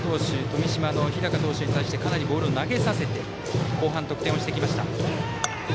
富島の日高投手に対してかなりボールを投げさせて後半、得点をしてきました。